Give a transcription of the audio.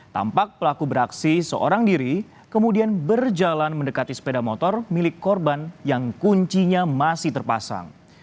tampak pelaku beraksi seorang diri kemudian berjalan mendekati sepeda motor milik korban yang kuncinya masih terpasang